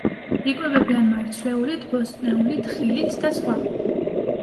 იკვებებიან მარცვლეულით, ბოსტნეულით, ხილით და სხვა.